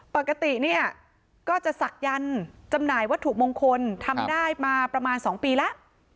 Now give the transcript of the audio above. ปกติเนี่ยก็จะศักยันต์จำหน่ายวัตถุมงคลทำได้มาประมาณ๒ปีแล้ว